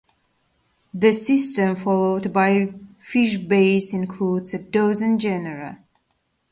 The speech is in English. The system followed by FishBase includes a dozen genera.